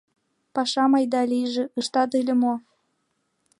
Пашам айда-лийже ыштат ыле мо?